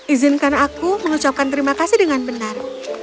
izinkan aku mengucapkan terima kasih dengan benar